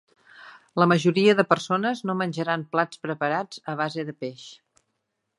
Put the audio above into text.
La majoria de persones no menjaran plats preparats a base de peix.